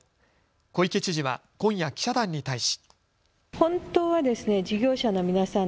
小池知事は今夜、記者団に対し。